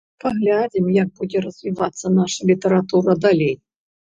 Паглядзім, як будзе развівацца наша літаратура далей.